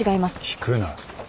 聞くな。